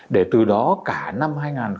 để từ đó cả năm hai nghìn hai mươi